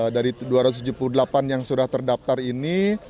dari dua ratus tujuh puluh delapan yang sudah terdaftar ini